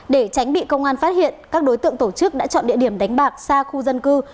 để tránh bị công an phát hiện các đối tượng tổ chức đã chọn địa điểm đánh bạc xa khu dân cư